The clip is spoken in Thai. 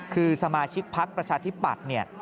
คือสมาชิกภักดิ์ประชาธิบัติ